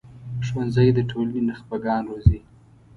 ښوونځی د ټولنې نخبه ګان روزي